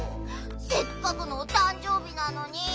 せっかくのおたんじょうびなのに。